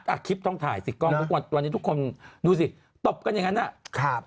อ้ะคลิปต้องถ่ายซิวันนี้ทุกคนดูสิตบกันอย่างนั้น